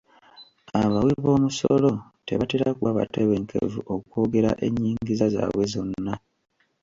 Abawi b'omusolo tebatera kuba batebenkevu okwogera ennyingiza zaabwe zonna.